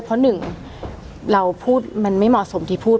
เพราะหนึ่งเราพูดมันไม่เหมาะสมที่พูด